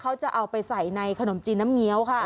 เขาจะเอาไปใส่ในขนมจีนน้ำเงี้ยวค่ะ